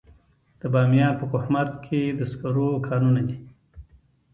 د بامیان په کهمرد کې د سکرو کانونه دي.